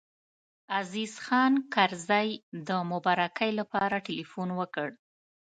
عزیز خان کرزی د مبارکۍ لپاره تیلفون وکړ.